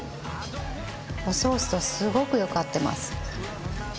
おソースとすごくよく合ってます。